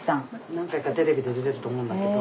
何回かテレビで出てると思うんだけど。